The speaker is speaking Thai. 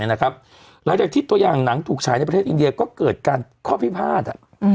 หลังจากที่ตัวอย่างหนังถูกฉายในประเทศอินเดียก็เกิดการข้อพิพาท